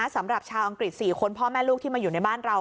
สำหรับชาวอังกฤษ๔คนพ่อแม่ลูกที่มาอยู่ในบ้านเรา